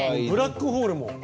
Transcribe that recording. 「ブラックホール」も。